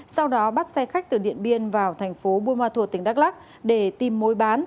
sau đó bắt xe khách từ điện biên vào thành phố buôn ma thuột tỉnh đắk lắc để tìm mối bán